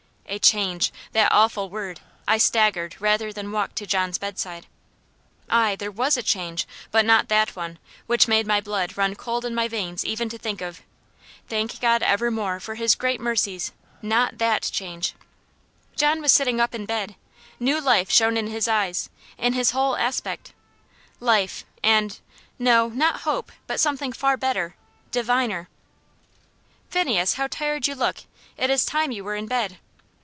A change! that awful word! I staggered rather than walked to John's bed side. Ay, there was a change, but not THAT one which made my blood run cold in my veins even to think of. Thank God for evermore for His great mercies not THAT change! John was sitting up in bed. New life shone in his eyes, in his whole aspect. Life and no, not hope, but something far better, diviner. "Phineas, how tired you look; it is time you were in bed."